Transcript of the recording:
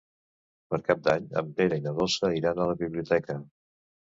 Per Cap d'Any en Pere i na Dolça iran a la biblioteca.